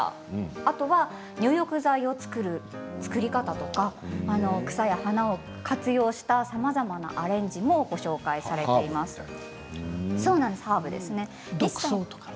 あとは入浴剤を作る作り方とか草や花を活用したさまざまなアレンジもハーブみたいな。